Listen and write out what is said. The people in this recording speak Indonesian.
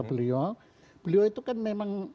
beliau beliau itu kan memang